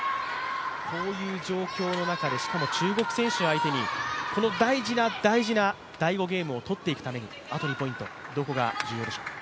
こういう状況の中で、しかも中国選手相手に、大事な大事な第５ゲームを取っていくためにあと２ポイント、どこが重要でしょう？